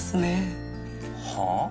はあ？